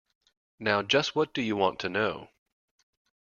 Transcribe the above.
Now just what do you want to know.